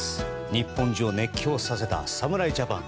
日本中を熱狂させた侍ジャパン。